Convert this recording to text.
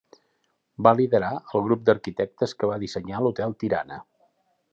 Va liderar el grup d'arquitectes que va dissenyar l'Hotel Tirana.